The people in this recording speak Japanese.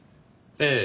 ええ。